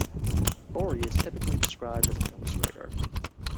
Gorey is typically described as an illustrator.